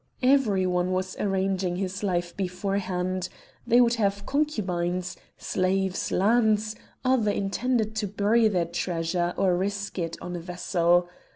Every one was arranging his life beforehand; they would have concubines, slaves, lands; others intended to bury their treasure, or risk it on a vessel.